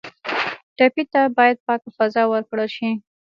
ټپي ته باید پاکه فضا ورکړل شي.